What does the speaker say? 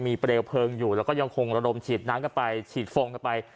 มีเปลวเพลิงอยู่แล้วก็ยังคงระดมฉีดน้ำกันไปฉีดฟองกันไป